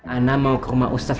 ana mau ke rumah ustadz